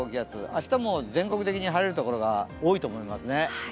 明日も全国的に晴れるところが多いと思いますね。